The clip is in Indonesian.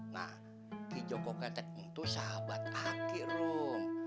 nah ki joko ketek itu sahabat aki rom